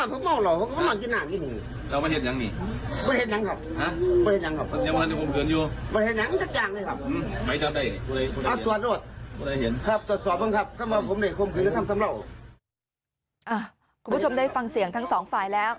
คุณผู้ชมได้ฟังเสียงทั้งสองฝ่ายแล้ว